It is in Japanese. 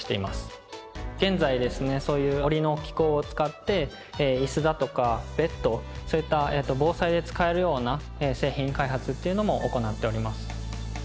現在ですねそういう折りの機構を使って椅子だとかベッドそういった防災で使えるような製品開発っていうのも行っております。